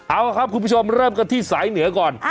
เอาครับคุณผู้ชมเริ่มกันที่สายเหนือก่อน